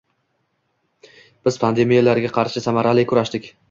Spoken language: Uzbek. Biz pandemiyalarga qarshi samarali kurashdik